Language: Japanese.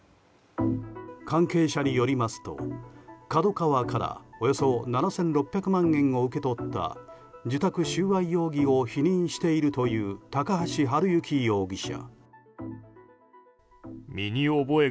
関係者によりますとＫＡＤＯＫＡＷＡからおよそ７６００万円を受け取った、受託収賄容疑を否認しているという高橋治之容疑者。